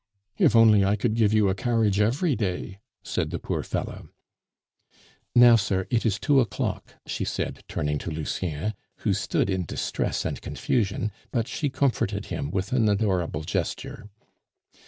"If only I could give you a carriage every day!" said the poor fellow. "Now, sir, it is two o'clock," she said, turning to Lucien, who stood in distress and confusion, but she comforted him with an adorable gesture.